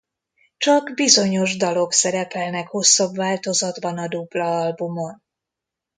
Csak bizonyos dalok szerepelnek hosszabb változatban a dupla albumon.